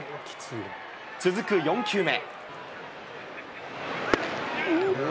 続く４球目。